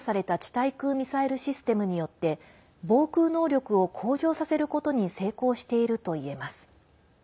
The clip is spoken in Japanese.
対空ミサイルシステムによって防空能力を向上させることに成功しているといえます。